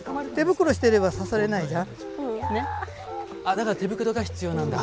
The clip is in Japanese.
だから手袋が必要なんだ。